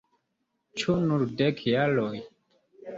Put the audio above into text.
Ĉu nur dek jaroj?